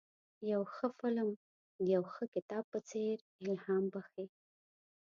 یو ښه فلم د یو ښه کتاب په څېر الهام بخښي.